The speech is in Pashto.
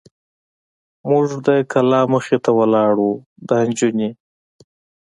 موږ د کلا مخې ته ولاړ و، دا نجونې.